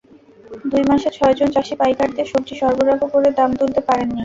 দুই মাসে ছয়জন চাষি পাইকারদের সবজি সরবরাহ করে দাম তুলতে পারেননি।